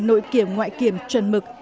nội kiểm ngoại kiểm trần mực